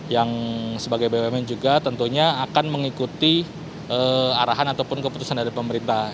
yang sebagai bumn juga tentunya akan mengikuti arahan ataupun keputusan dari pemerintah